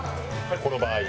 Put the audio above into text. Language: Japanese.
この場合。